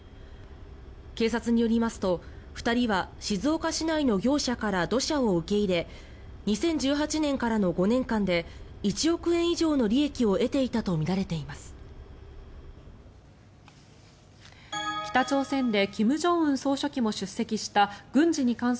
警察によりますと２人は静岡市内の業者から土砂を受け入れ２０１８年からの５年間で１億円以上の利益を得ていたとみられています。